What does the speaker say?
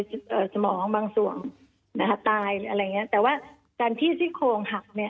เป็นเซลล์ต่าง